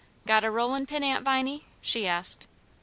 "Got a rollin' pin, Aunt Viney?" she asked.